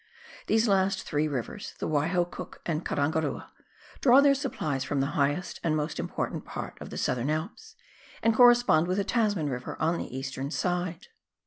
These last three rivers — the "Waiho, Cook, and Karangarua — draw their supplies from the highest and most important part of the Southern Alps, and correspond with the Tasman Eiver on the eastern side.